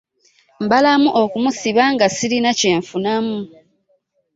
mbalamu okumusiba nga sirina kye nfunamu.